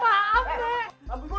aku seorang jelajah